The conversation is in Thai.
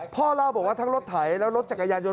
พ่อเล่าบอกว่าทั้งรถไถและรถจักรยานยน